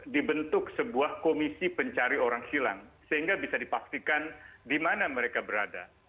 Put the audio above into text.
dibentuk sebuah komisi pencari orang hilang sehingga bisa dipastikan di mana mereka berada